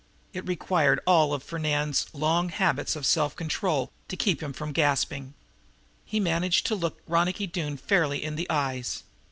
It required all of Fernand's long habits of self control to keep him from gasping. He managed to look Ronicky Doone fairly in the eyes.